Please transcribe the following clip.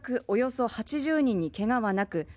およそ８０人にけがはなく